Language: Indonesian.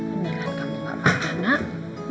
beneran kamu gak apa apa anak